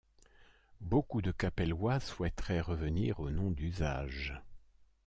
Beaucoup de capellois souhaiteraient revenir au nom d'usage.